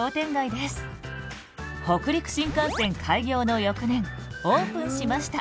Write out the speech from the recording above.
北陸新幹線開業の翌年オープンしました。